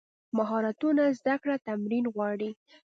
مهارتونه زده کړه تمرین غواړي.